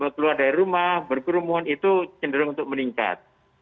keluar dari rumah berkerumun itu cenderung untuk meningkat